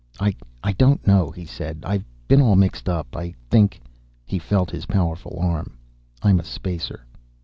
"I don't know," he said. "I've been all mixed up, I think." He felt his powerful arm. "I'm a Spacer."